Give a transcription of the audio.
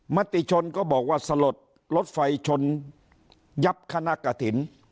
มติชนก็บอกว่าสลดรถไฟชนยับคณะกฐิน